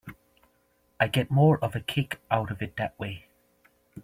I get more of a kick out of it that way.